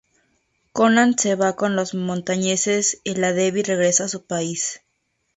Conan se va con los montañeses y la Devi regresa a su país.